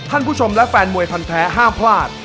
ผู้ชมและแฟนมวยพันแท้ห้ามพลาด